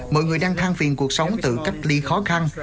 mọi người đang thang phiền cuộc sống tự cách ly khó khăn